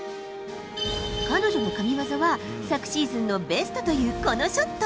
彼女の神技は、昨シーズンのベストというこのショット。